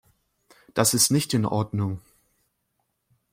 Das ist nicht in Ordnung.